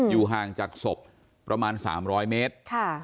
ห่างจากศพประมาณ๓๐๐เมตร